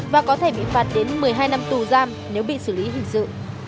và có thể bị phạt đến một mươi hai năm tù giam nếu bị xử lý hình sự